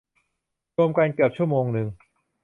รวมกันเกือบชั่วโมงนึง